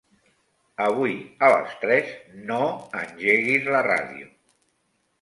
Avui a les tres no engeguis la ràdio.